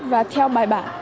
và theo bài bản